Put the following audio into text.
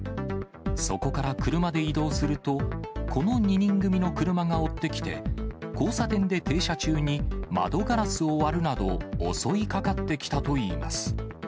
そこから車で移動すると、この２人組の車が追ってきて、交差点で停車中に窓ガラスを割るなど、襲いかかってきたといいます。